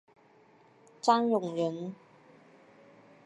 张永人。